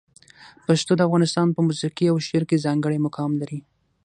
پښتو د افغانستان په موسیقي او شعر کې ځانګړی مقام لري.